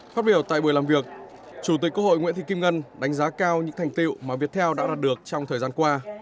phát biểu tại buổi làm việc chủ tịch quốc hội nguyễn thị kim ngân đánh giá cao những thành tiệu mà việt theo đã đạt được trong thời gian qua